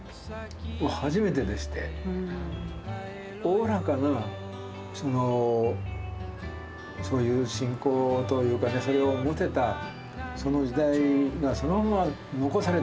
おおらかなそういう信仰というかねそれを持てたその時代がそのまま残されてたと。